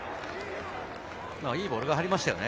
いいボールが入りましたよね。